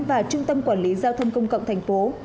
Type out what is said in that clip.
và trung tâm quản lý giao thông công cộng thành phố